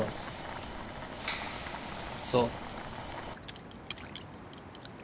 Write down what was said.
そう。